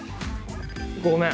ごめん。